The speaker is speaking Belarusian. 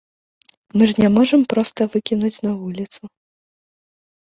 Мы ж не можам проста выкінуць на вуліцу.